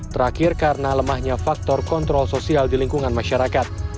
terakhir karena lemahnya faktor kontrol sosial di lingkungan masyarakat